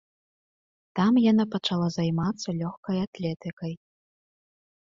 Там яна пачала займацца лёгкай атлетыкай.